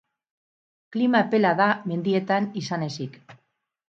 Klima epela da mendietan izan ezik.